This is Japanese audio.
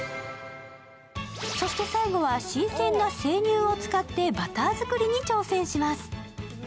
そして最後は新鮮な生乳を使ってバター作りに挑戦します。